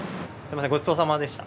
ごちそうさまでした。